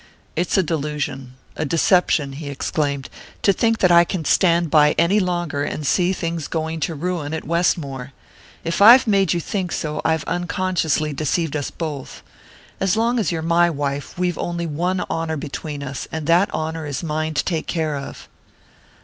"It's a delusion, a deception," he exclaimed, "to think I can stand by any longer and see things going to ruin at Westmore! If I've made you think so, I've unconsciously deceived us both. As long as you're my wife we've only one honour between us, and that honour is mine to take care of."